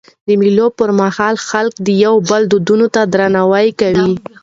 د مېلو پر مهال خلک د یو بل دودونو ته درناوی کوي.